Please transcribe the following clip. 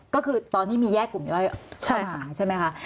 ก็คือตอนนี้มีแยกกลุ่มย่อยเข้ามาใช่ไหมคะ